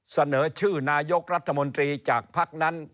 เสนอชื่อนายกรัฐมนตรีจากภักดิ์นั้น